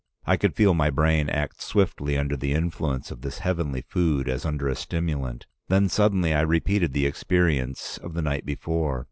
I could feel my brain act swiftly under the influence of this heavenly food as under a stimulant. Then suddenly I repeated the experience of the night before.